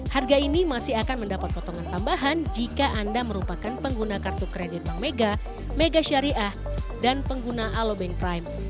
harga ini masih akan mendapat potongan tambahan jika anda merupakan pengguna kartu kredit bank mega mega syariah dan pengguna alobank crime